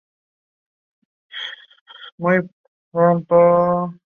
Her papers are archived at Rutgers University.